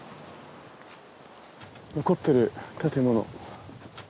残ってる建物。